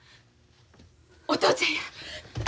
お父ちゃんや。